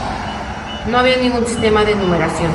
No había ningún sistema de numeración.